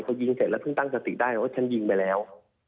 พอยิงเสร็จแล้วเพิ่งตั้งสติได้ว่าฉันยิงไปแล้ว